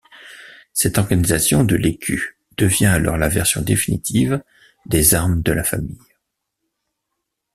Cette organisation de l'écu devient alors la version définitive des armes de la famille.